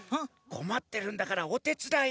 こまってるんだからおてつだい！